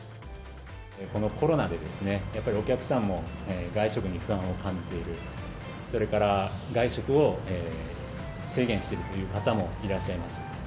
このコロナでやっぱりお客さんも外食に不安を感じている、それから、外食を制限してるという方もいらっしゃいます。